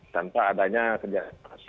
tanpa adanya kerjasama